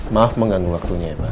maaf mengganggu waktunya ya pak